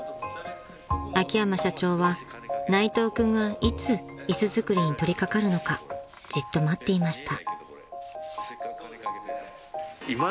［秋山社長は内藤君がいつ椅子作りに取り掛かるのかじっと待っていました］